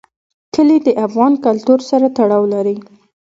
کلي د افغان کلتور سره تړاو لري.